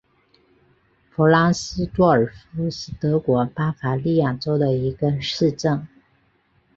弗拉斯多尔夫是德国巴伐利亚州的一个市镇。